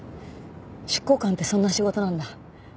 執行官ってそんな仕事なんだ。